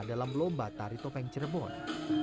dalam lomba tari topeng cirebon